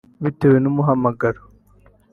Bitewe n’umuhamagaro